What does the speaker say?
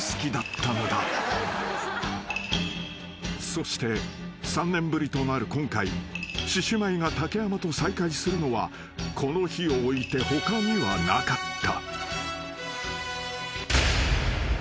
［そして３年ぶりとなる今回獅子舞が竹山と再会するのはこの日をおいて他にはなかった］